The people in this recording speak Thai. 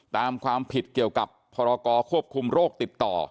ตามความผิดเกี่ยวกับพรกรควบคุมโรคติดต่อ